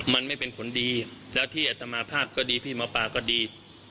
มันไม่เป็นผลดีแล้วที่อัตมาภาพก็ดีพี่หมอปลาก็ดี